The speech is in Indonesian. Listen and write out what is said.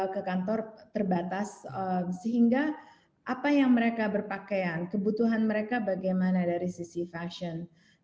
ke kantor terbatas sehingga apa yang mereka berpakaian kebutuhan mereka bagaimana dari sisi fashion